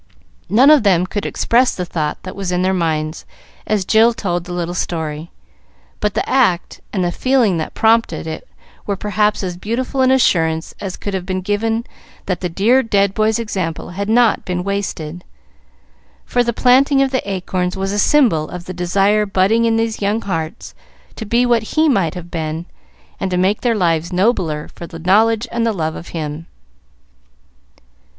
None of them could express the thought that was in their minds as Jill told the little story; but the act and the feeling that prompted it were perhaps as beautiful an assurance as could have been given that the dear dead boy's example had not been wasted, for the planting of the acorns was a symbol of the desire budding in those young hearts to be what he might have been, and to make their lives nobler for the knowledge and the love of him.